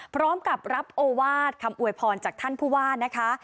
พร้อมกับรับโอวาสคำอวยพรจากท่านผู้ว่านะคะ